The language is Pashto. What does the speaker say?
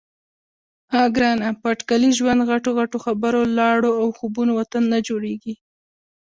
_اه ګرانه! په اټکلي ژوند، غټو غټو خبرو، لاړو او خوبونو وطن نه جوړېږي.